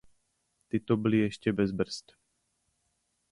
Tyto byly ještě bez brzd.